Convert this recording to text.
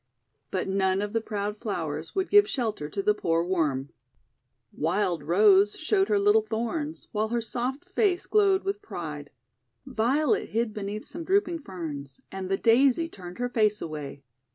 But none of the proud flowers would give shelter to the poor Worm. 162 THE WONDER GARDEN Wild Rose showed her little thorns, while her 4 soft face glowed with pride. Violet hid beneath some drooping Ferns; and the Daisy turned her face away.